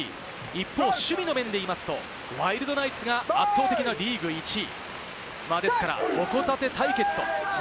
一方、守備の面でいいますと、ワイルドナイツが圧倒的なリーグ１位。